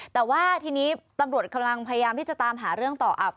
แต่ว่าทีนี้ตำรวจกำลังพยายามที่จะตามหาเรื่องต่อ